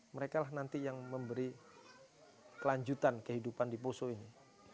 mereka lah nanti yang memberi kelanjutan kehidupan di poso ini